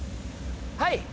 はい！